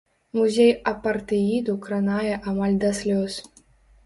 Музей апартэіду кранае амаль да слёз.